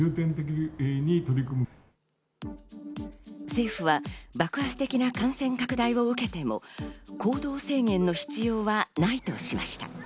政府は爆発的な感染拡大を受けても、行動制限の必要はないとしました。